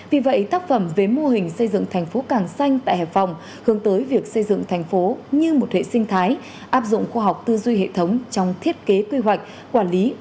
vì vậy tác phẩm với mô hình xây dựng thành phố cảng xanh tại hải phòng hướng tới việc xây dựng thành phố như một hệ sinh thái